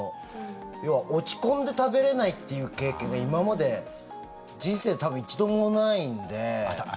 要は落ち込んで食べれないという経験が今まで人生で多分一度もないんで。